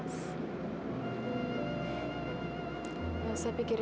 masya allah semuanya akan baik baik saja